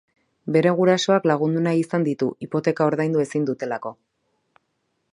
Bere gurasoak lagundu nahi izan ditu, hipoteka ordaindu ezin dutelako.